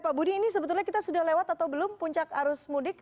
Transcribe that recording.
pak budi ini sebetulnya kita sudah lewat atau belum puncak arus mudik